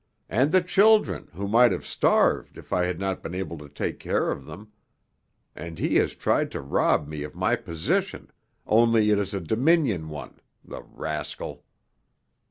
And the children, who might have starved, if I had not been able to take care of them! And he has tried to rob me of my position, only it is a Dominion one the rascal!"